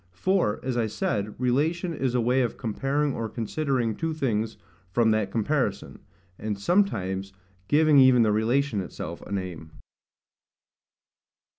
For, as I said, relation is a way of comparing or considering two things [*dropped line] from that comparison; and sometimes giving even the relation itself a name.